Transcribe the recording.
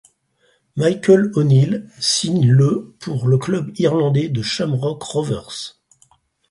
Michael O'Neill signe le pour le club irlandais de Shamrock Rovers.